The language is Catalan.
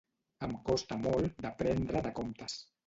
Em costa molt d'aprendre de comptes.